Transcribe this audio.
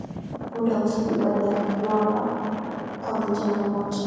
muda mfupi baada ya kuwawa kwa kijana mmoja